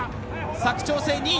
佐久長聖、２位。